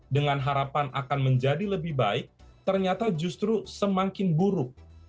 dengan harapan akan menjadi lebih baik ternyata justru semakin buruk